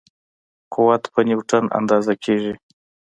قوت په نیوټن اندازه کېږي.